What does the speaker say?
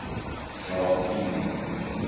شاه گیر